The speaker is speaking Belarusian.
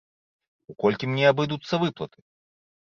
У колькі мне абыдуцца выплаты?